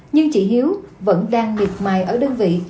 nhưng chị hiếu vẫn đang miệt mài ở đơn vị